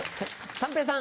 三平さん。